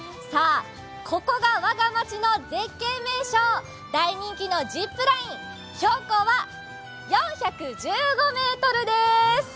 ここが我がまちの絶景名所、大人気のジップライン、標高は４１５ｍでーす！